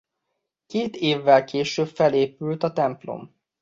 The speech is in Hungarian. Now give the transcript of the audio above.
Két évvel később felépült a templom.